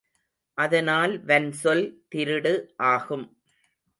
அதனால் வன்சொல் திருடு ஆகும்.